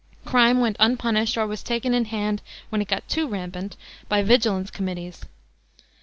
Crime went unpunished or was taken in hand, when it got too rampant, by vigilance committees.